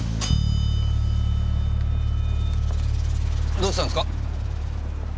どうしたんすか？